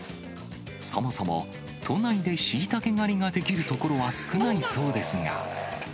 そもそも都内でシイタケ狩りができる所は少ないそうですが。